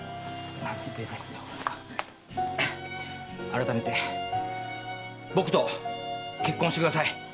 あらためて僕と結婚してください。